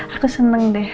aku seneng deh